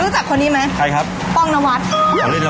รู้จักคนนี้มั้ย